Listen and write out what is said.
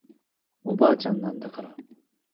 おばあちゃんなんだから